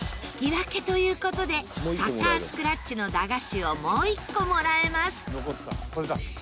引き分けという事でサッカースクラッチの駄菓子をもう１個もらえます。